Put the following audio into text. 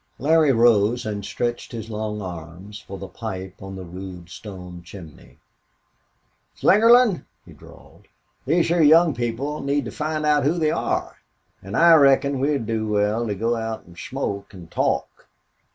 Larry rose and stretched his long arms for the pipe on the rude stone chimney. "Slingerland," he drawled, "these heah young people need to find out who they are. An' I reckon we'd do wal to go out an' smoke an' talk."